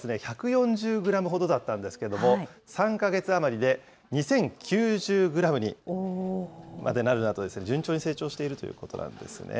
これ、生まれた直後は１４０グラムほどだったんですけれども、３か月余りで２０９０グラムにまでなるなど順調に成長しているということなんですね。